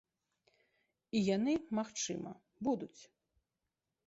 І яны, магчыма, будуць.